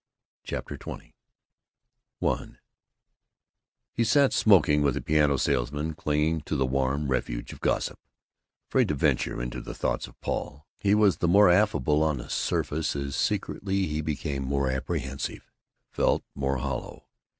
CHAPTER XX I He sat smoking with the piano salesman, clinging to the warm refuge of gossip, afraid to venture into thoughts of Paul. He was the more affable on the surface as secretly he became more apprehensive, felt more hollow.